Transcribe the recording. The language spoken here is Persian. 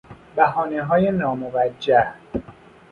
بهانههای ناموجه